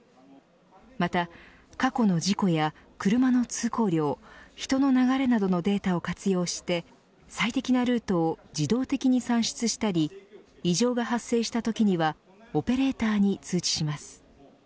また、過去の事故や車の通行量人の流れなどのデータを活用して最適なルートを自動的に算出したり異常が発生したときにはオペレーターに通知します。